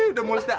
udah mulus dah